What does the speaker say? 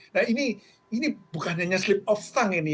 nah ini bukan hanya slip of tongue ini